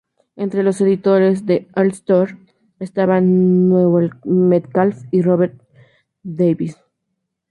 Entre los editores de "All-Story" estaban a Newell Metcalf y Robert H. Davis.